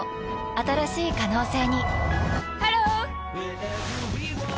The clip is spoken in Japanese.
新しい可能性にハロー！